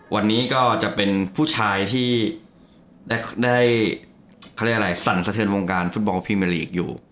วันนี้ก็จะเป็นผู้ชายที่ได้เขาเรียกอะไรสั่นสะเทือนวงการฟุตบอลพรีเมอร์ลีกอยู่